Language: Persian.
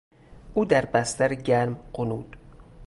او در بستر گرم غنود.